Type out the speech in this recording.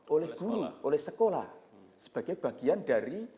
oleh guru oleh sekolah sebagai bagian dari